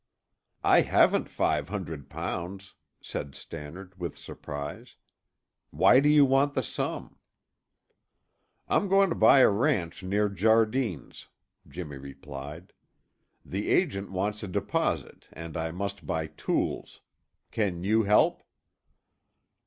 "I haven't five hundred pounds," said Stannard with surprise. "Why do you want the sum?" "I'm going to buy a ranch near Jardine's," Jimmy replied. "The agent wants a deposit and I must buy tools. Can you help?"